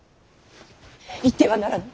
行ってはならぬ！